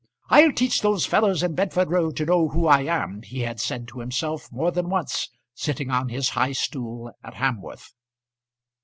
"I'll teach those fellows in Bedford Row to know who I am," he had said to himself more than once, sitting on his high stool at Hamworth.